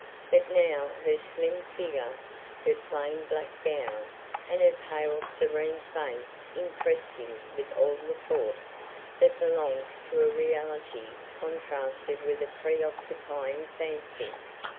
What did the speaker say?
But now her slim figure, her plain black gown, and her pale serene face impressed him with all the force that belongs to a reality contrasted with a preoccupying fancy.